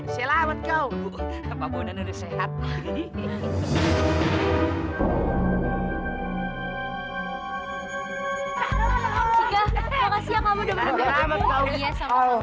sika terima kasih yang kamu sudah berhubung